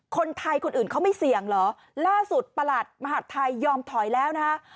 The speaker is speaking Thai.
คนไทยคนอื่นเขาไม่เสี่ยงเหรอล่าสุดประหลัดมหาดไทยยอมถอยแล้วนะฮะ